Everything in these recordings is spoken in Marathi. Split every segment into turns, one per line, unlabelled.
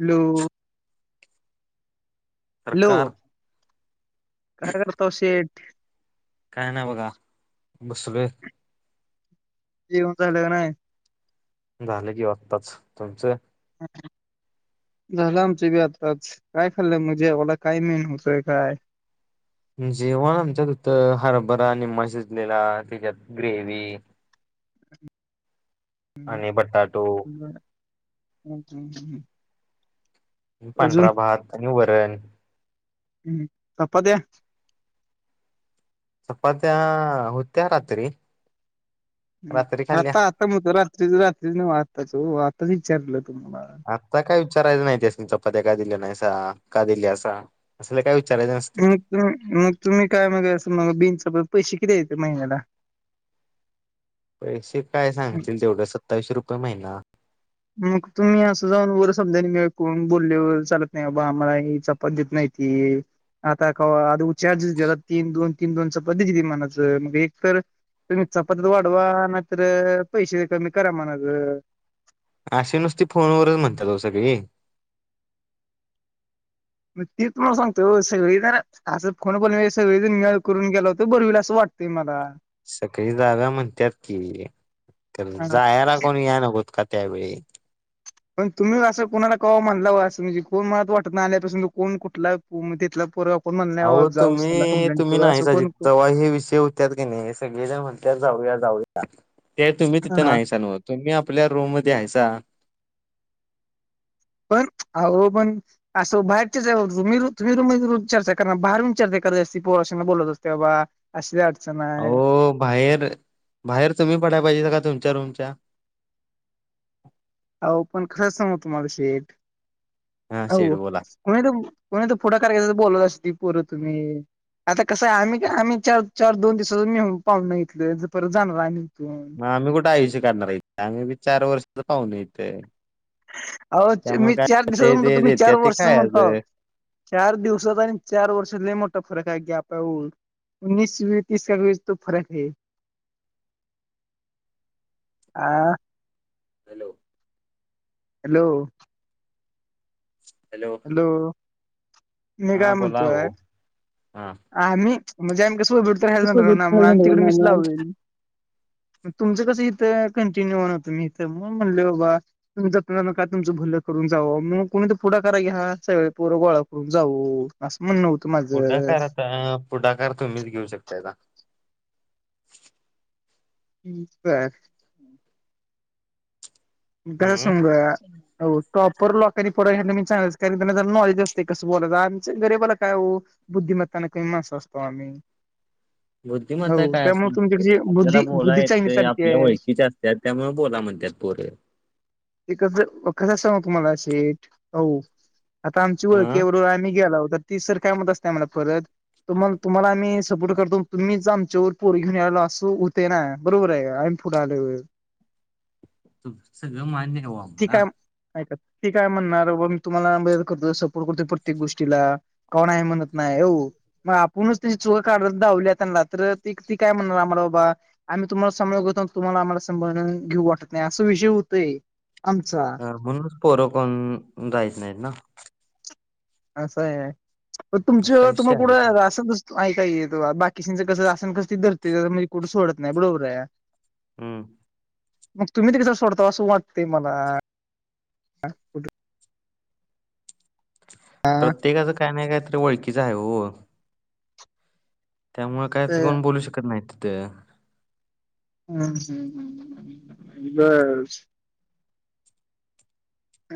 हॅलो. हॅलो
सरकार
काय करता शेठ?
काय नाही बघा बसलोय.
जेवन झालं का नाही?
झालं जेव आत्ताच तुमचं?
[inaudible] झालं आमची बी आत्ताच काय खाल्लंय म जेवाला काय मेनु होतय काय?
जेवण आमच्यात होत हरभरा निम्मा शिजलेला त्याच्यात ग्रेवी आणि बटाटो.
हम्म हम्म हम्म.
आणि पांढरा भात आणि वरण.
हम्म चपात्या.
चपात्या होत्या रात्री. रात्री
हम्म
खाल्ल्या
आता आता मीळतो रात्रीच रात्रीच नाही आताच हो आताच विचारलं तुम्हाला.
आता काय विचारायचं नाही त्यासनी चपात्या का दिल्या नाही सा का दिल्यासा. असले काय विचारायचे नसते.
तु मग तुम्ही काय म्हणजे अस मग [unintelligible] किती येते महिन्याला.
पैसे काय सांगतील दोघ सत्तांवीशें रुपये महिना.
मग तुम्ही असं जाऊन वर समद्यांनी [unintelligible] ईकडून बोलेल चालत नाही बाबा आम्हाला ह पद्धत नाही ती. आता कवा आदी चार दिसता तीन दोन तीन दोन चपाती दिली म्हनाचं मग एक तर तुम्ही चपात्या त वाढवा नाहीतर पैसे तर कमी करा म्हणायच.
आशे नुसती फोनवरचं म्हणतात ओ सगळी.
म ती तुम्हाला सांगतोय हो सगळी तर असं कोण पण सगळे झन म्याळ करून गेला होत बर होईल असं वाटतंय मला.
सगळी जागा म्हणतात की तर
हा
जायला कोणी या नगोत का त्यावेळी.
पण तुम्ही असं कोणाला कवा म्हनला व असं म्हणजे कोण मला त वाटत नाही आल्यापासन कोण कुठला तिथला पोरगा कोण म्हणला
अहो
जाऊस त्याला
तुम्ही
कंप्लेंट
तुम्ही
करू
नाही
असं
सा जी
कोण
तवा हे विषय हो त्यात की नई सगळे जण म्हणतात जाऊया जाऊया ते तुम्ही तिथं
हा
नाही सनवत. तुम्ही आपल्या रूम मध्ये हाय सा.
पण आहो पण असं बाहेर [unintelligible] करणार बाहेरून चर्चा करत असते पोरासंग बोलत असते बाबा. असली अडचण आहे.
आहो बाहेर बाहेर तुम्ही पडायला पाहिजे का तुमच्या रूमच्या.
आहो पण खरं सांगू तुम्हाला शेठ
हा शेठ बोला.
कोनाती कोनाती पुढाकार घ्यायचा बोलत असती पोर तुम्ही. आता कसं आहे आम्ही का आम्ही चार -चार दोन दिवसांच नेऊन पाहून इथलं ज परत जाणार आहे इथून.
मग आम्ही कुठे आयुष्य काढणार आहे इथ आम्ही बी चार वर्षच पाहून इथे.
अ ओ मी चार दिवसाच
ते
म्हणतो
जे
तुम्ही
देत्यात
चार
ते
वर्षांचं म्हणता
खायाचं
होत. चार दिवसांचा आणि चार वर्षात लय मोठा फरक आहे. [unintelligible] उन्नीस वीस तीस का तो फरक है. आ.
हॅलो.
हॅलो.
हॅलो.
हॅलो. मी काय
हा, बोलाव
म्हणतोय
हो, हा.
आम्ही म्हणजे आम्ही सोबत भेडत
तसं
रायचणार
दूध
[unintelligible] ना
काय
म्हण आम्ही
झालं
तिकडे
ना
मेस
मग?
लावलेली. ग तुमचं कसं इथं कंटिन्यू होन होतो मी इथं मग म्हणलो बा तुम जत न का तुमचं भुलं करून जाव मग कोणी तर पुढा करा घ्या ह सगळे पोर गोळा करून जाऊ. असं म्हण नव्हतं माझ.
ह [unintelligible] पुढाकार तुम्हीच घेऊ शकताय का.
[inaudible] खर
हम्म
सागुया हो. प्रॉपर लोकांनी पवी चांगलंच कारण त्यांना नॉलेज असते कस बोलायच आमच गरीबाला काय हो. बुद्धिमत्ताने कही माणस असतो आम्ही.
बुद्धिमता
हो
काय असं
त्यामुळे
नसते
तुमच्याकडची
आपल्याला
बुद्धी
बोला
बुद्धी चांगली
येतं आपल्या
चालतीये.
ओखीचे अस त्या त्यामुळे बोला म्हणतात पोरे.
ते कस, कस सगु तुम्हाला शेठ हो. आता आमची
हा
ओळखीवररोबर आम्ही गेला होत तर ती सर काय म्हत असते आम्हाला परत तुम्हा, तुम्हाला आम्ही सपोर्ट करतो तुम्हीच आमच्यावर पोर घेनला असं होते ना बरोबर आहे. पुढ आलो होय.
तु सगळ मान्या आहे भाऊ
ठीक
आम्हाला.
आहे ती काय म्हणणार बॉ मी तुम्हाला [unintelligible] करतो सपोर्ट करतो प्रत्येक गोष्टीला. कोण आहे म्हणत नाही हो मग आपूणच त्याची चुकं काढत दावली त्यांना तर त ती काय म्हणणार आम्हाला बाबा आम्ही तुम्हाला सांभळतो तुम्हाला आम्हाला संभाळून घेऊ वाटत नाही असा विषय होतोय आमचा.
म्हणून पोरं कोण जायत नाहीत ना.
असं आहे तुमच
असा विषय
तुम्हा
आहे.
कुठं अस आऐ काय येतो बाकीशींचं कसं असन कसं धतेणे कुठं सोडत नाही बरोबर आहे.
हम्म.
मग तुम्ही तिकडचं सोडता असं वाटतय मला. [unintelligible]
प्रत्येकाचं काय नाही कायतरी ओळखीच आहे हो. त्यामुळे काय पण बोलू शकत नाही तिथ
हं हं हं बरं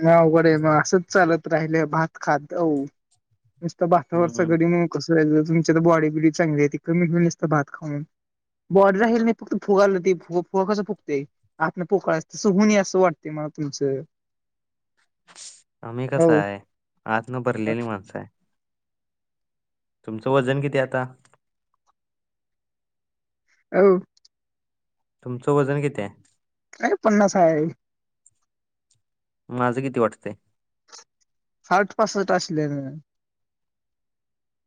लय अवघड आहे मग असंच चालत राहिलं भात खात नुसता
हम्म
भातावरचागडी होवून कसं व्हायचं? तुमच्या कडं बॉडी बिडी चांगली आहे ती कमी व्हईन नुसत भात खाऊन. बॉडी राहील मी फक्त फुगायला ते फु फुगं कसं फुगतंय. आतणं पोकळ अ सुहुगूणी असं वाटतंय मला तुमचं.
आम्ही
हो
कसा आहे आत न भरलेली माणसं आहे. तुमचं वजन किती आता?
[unintelligible]
तुमचं वजन किती आहे?
काय पन्नास आहे.
माझं किती वाटतंय?
साठ, पासष्ट असलेलं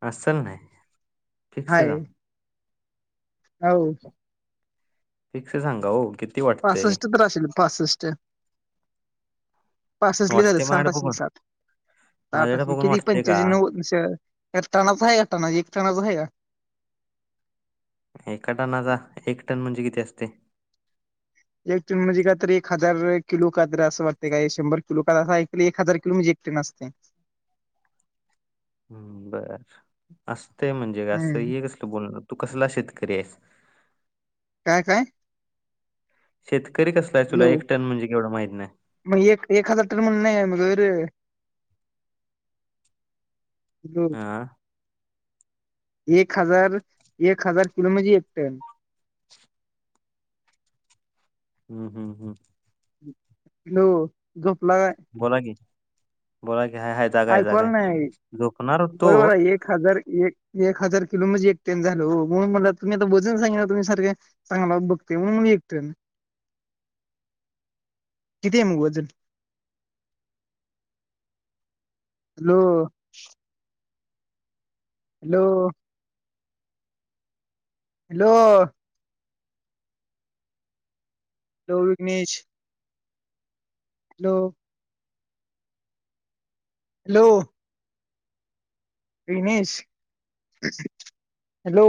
असल नाही फिक्स सांग.
आहो
फिक्स सांगा हो किती वाटतंय?
पासष्ट तर असेल पासष्ट पासष्ट लयी झाल
वाटतंय
साठ
माझ्याकडे
असेल
बघून
साठ,
माझ्याकडे
असं
बघून
किती
वाटतंय का?
पंच्यांयशी, नव्वद एक टणाच हाये, एक टणा, एक टणाच हाये का?
एका टनाचा एक टन म्हणजे किती असते?
एक टन म्हणजे काय तरी एक हजार किलो काय तरी असं वाटतंय काय शंभर किलो का असा एक हजार किलो म्हणजे एक टन असतंय.
बरं असतंय म्हणजे काय असं
हम्म
हे कसलं बोलणं तू कसला शेतकरी आहेस?
काय काय?
शेतकरी कसला आहेस तुला
हॅलो
एक टन म्हणजे केवढं माहीत नाही.
मग एक एक हजार टन [unintelligible] [unintelligible]
आ.
एक हजार, एक हजार किलो म्हणजे एक टन.
हम् हम् हम्.
हॅलो, झोपला काय?
बोला की, बोला की हाय हाय जागा आहे
ऐकू
जागा
आलं
आहे,
नाही
झोपणार होतो.
बरोबर आहे एक हजार एक हजार किलो म्हंजे एक टन झालं हो म्हणून म्हणलं तुम्ही आता वजन सांगे ना तुम्ही सारखे. चांगला बघतोय म्हणून एक टन, किती आहे मग वजन? लो. हॅलो. लो. Hello, Vighnesh. Hello. Hello. Vighnesh, hello.